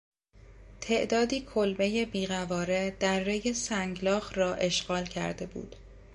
تعدادی کلبهی بیقواره درهی سنگلاخ را اشغال کرده بود.